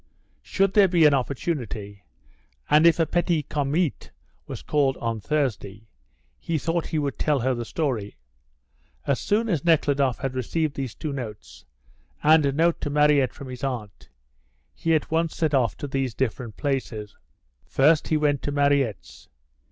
Should there be an opportunity, and if a petit comite were called on Thursday, he thought he would tell her the story. As soon as Nekhludoff had received these two notes, and a note to Mariette from his aunt, he at once set off to these different places. First he went to Mariette's.